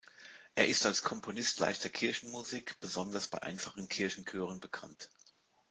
Er ist als Komponist leichter Kirchenmusik besonders bei einfachen Kirchenchören bekannt.